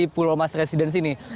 pulau mas residen sini